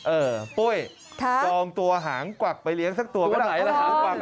เอ่อป้วยจองตัวหางกวัดไปเลี้ยงสักตัวกันไหร่ฮะ